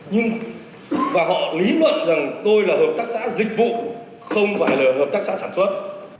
nhưng và họ lý luận rằng tôi là hợp tác xã dịch vụ không phải là hợp tác xã sản xuất